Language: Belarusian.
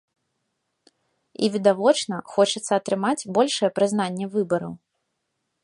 І, відавочна, хочацца атрымаць большае прызнанне выбараў.